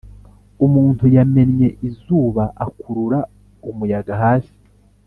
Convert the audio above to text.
umuntu yamennye izuba, akurura umuyaga hasi.